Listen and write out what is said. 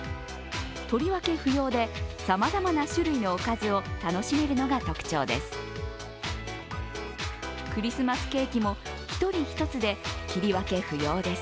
とりわけ不要でさまざまな種類のおかずを楽しめるのが特徴です。